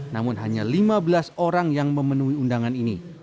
namun hanya lima belas orang yang memenuhi undangan ini